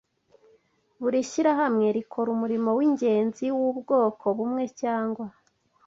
Buri shyirahamwe rikora umurimo wingenzi wubwoko bumwe cyangwa